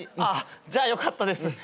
ああじゃあよかったです。